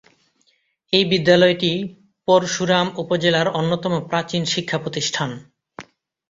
এই বিদ্যালয়টি পরশুরাম উপজেলার অন্যতম প্রাচীন শিক্ষাপ্রতিষ্ঠান।